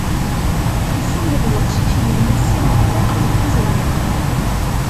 Isummel uqcic yemma-s s yimeṭṭi deg uzniq.